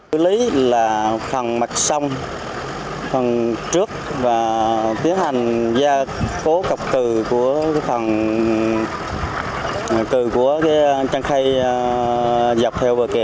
xử lý là phần mặt sông phần trước và tiến hành gia cố cập cử của phần cử của trang khay dọc theo bờ kề